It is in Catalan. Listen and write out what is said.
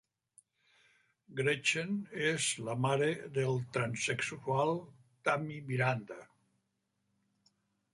Gretchen és la mare del transsexual Thammy Miranda.